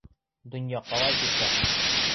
Донъя ҡалай күркәм!